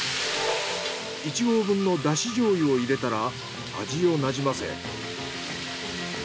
一合分のだし醤油を入れたら味をなじませ。